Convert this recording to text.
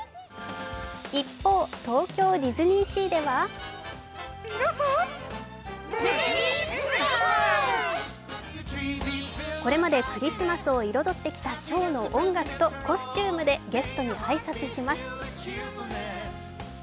一方、東京ディズニーシーではこれまでクリスマスを彩ってきたショーの音楽とコスチュームでゲストに挨拶します。